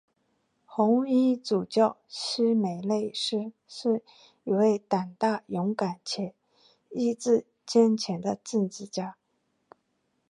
红衣主教希梅内斯是一位大胆勇敢且意志坚强的政治家。